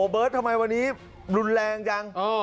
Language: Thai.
เบิร์ตทำไมวันนี้รุนแรงจัง